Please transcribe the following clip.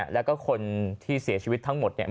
แล้วก็คนที่เสียชีวิตทั้งหมดเนี่ย